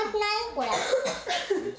これ。